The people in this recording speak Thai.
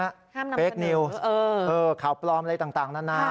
ห้ามนำคำนึงเออเออข่าวปลอมอะไรต่างนานา